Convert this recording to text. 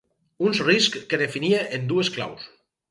Uns riscs que definia en dues claus.